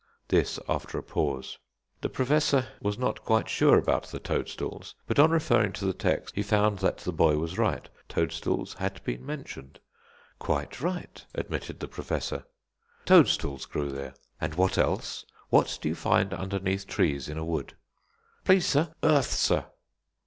This after a pause. The Professor was not quite sure about the toadstools, but on referring to the text he found that the boy was right; toadstools had been mentioned. "Quite right," admitted the Professor, "toadstools grew there. And what else? What do you find underneath trees in a wood?" "Please, sir, earth, sir."